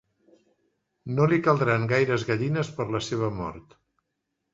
No li caldran gaires gallines per la seva mort.